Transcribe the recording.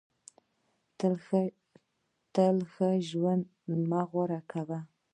تل ښه ژوند مه غوره کوه.